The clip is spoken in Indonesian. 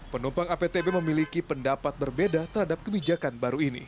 penumpang aptb memiliki pendapat berbeda terhadap kebijakan baru ini